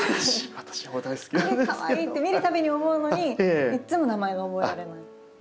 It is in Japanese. あれかわいいって見るたびに思うのにいつも名前が覚えられない。